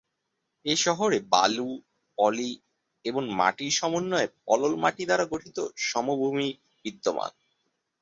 এ শহরে বালু, পলি এবং মাটির সমন্বয়ে পলল মাটি দ্বারা গঠিত সমভূমি বিদ্যমান।